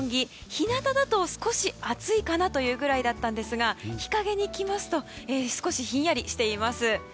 日なただと少し暑いかなというぐらいだったんですが日陰に来ますと少しひんやりしています。